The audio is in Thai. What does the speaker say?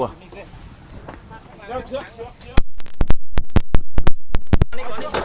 สวัสดีครับทุกคน